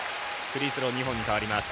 フリースロー２本に変わります。